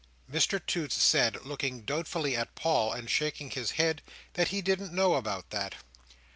Mr Toots said, looking doubtfully at Paul, and shaking his head, that he didn't know about that.